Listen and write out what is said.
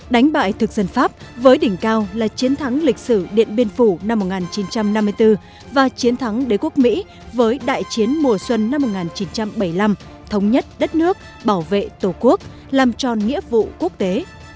đánh bại thực dân pháp với đỉnh cao là chiến thắng lịch sử điện biên phủ năm một nghìn chín trăm năm mươi bốn và chiến thắng đế quốc mỹ với đại chiến mùa xuân năm một nghìn chín trăm bảy mươi năm thống nhất đất nước bảo vệ tổ quốc làm tròn nghĩa vụ quốc tế